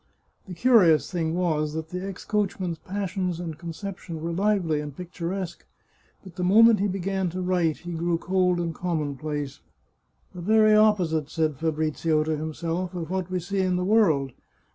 The curious thing was that the ex coachman's passions and conception were lively and pic turesque, but the moment he began to write he grew cold and commonplace. " The very opposite," said Fabrizio to himself, " of what we see in the world.